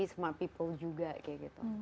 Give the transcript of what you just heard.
smart people juga kayak gitu